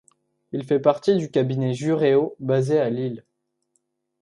Il fait partie du cabinet Juréo basé à Lille.